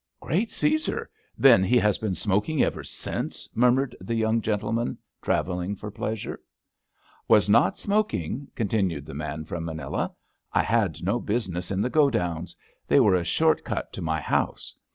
Great Caesar! then he has been smoking ever since! " murmured the Young Gen tleman travelling for Pleasure. *^ Was not smoking," continued the man from Manila. *^ I had no business in the godowns. They were a short cut to my house.